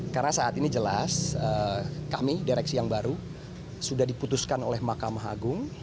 karena saat ini jelas kami direksi yang baru sudah diputuskan oleh mahkamah agung